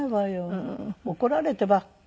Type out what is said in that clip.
怒られてばっかりよ。